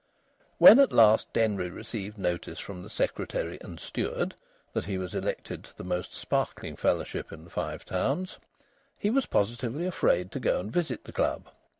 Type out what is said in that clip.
When at length Denry received notice from the "Secretary and Steward" that he was elected to the most sparkling fellowship in the Five Towns, he was positively afraid to go and visit the club.